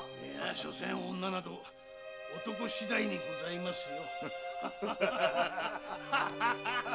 しょせん女など男次第にございますよ。